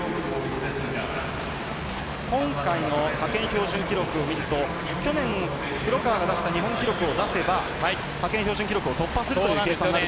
今回の派遣標準記録を見ると去年、黒川が出した日本記録を出せば派遣標準記録を突破するという計算なんですよね。